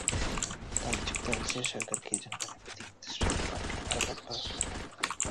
তাই যুক্তরাজ্যের সরকারকে জনগণের প্রতি প্রতিশ্রুতি পালনে আরও তৎপর হতে হবে।